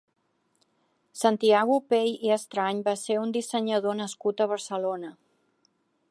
Santiago Pey i Estrany va ser un dissenyador nascut a Barcelona.